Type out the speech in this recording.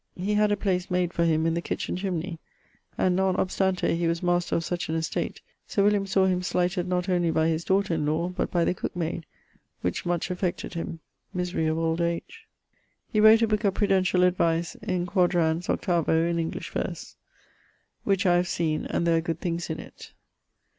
He had a place made for him in the kitchen chimney; and, non obstante he was master of such an estate, Sir William sawe him slighted not only by his daughter in lawe, but by the cooke mayd, which much affected him misery of old age. He wrote a booke of prudentiall advice, in quadrans, 8vo, in English verse, which I have seen, and there are good things in it.